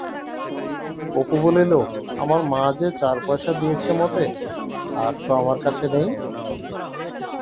অপু বলিল, আমার মা যে চার পয়সা দিয়েছে মোটে, আর তো আমার কাছে নেই?